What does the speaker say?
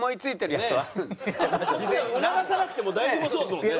促さなくても大丈夫そうですもんね。